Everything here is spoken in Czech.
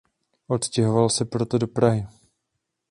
Odstěhoval se proto do Prahy.